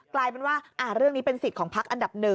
กลายเป็นว่าเรื่องนี้เป็นสิทธิ์ของพักอันดับ๑